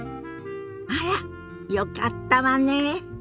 あらっよかったわねえ。